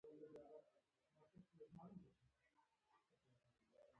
سیاستمداران کوچنۍ پروژې لري.